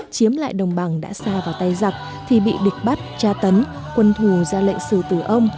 chiếm lại đồng bằng đã xa vào tay giặc thì bị địch bắt tra tấn quân thù ra lệnh sử tử ông